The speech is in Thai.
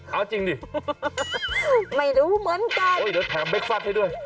เอาจริงดิไม่รู้เหมือนกันโอ้ยเดี๋ยวแถมเคฟฟัสให้ด้วย